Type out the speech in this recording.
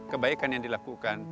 kebaikan yang dilakukan